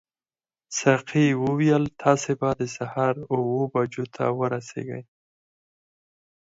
ساقي وویل تاسي به د سهار اوو بجو ته ورسیږئ.